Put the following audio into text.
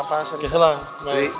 halo assalamu printed